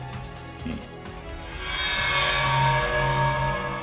うん。